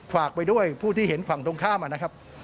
ฝากไปด้วยผู้ที่เห็นฝั่งตรงข้ามนะครับ